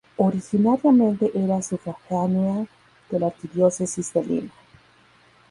Originariamente era sufragánea de la arquidiócesis de Lima.